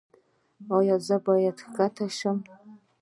ایا زه باید ښکته راشم؟